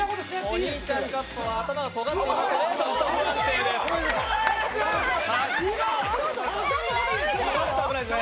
お兄ちゃんカッパは頭がとがっています、不安定です。